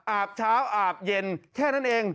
อาบเช้าอาบเย็นแค่นั้นเอง